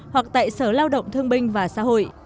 hoặc tại sở lao động thương binh và xã hội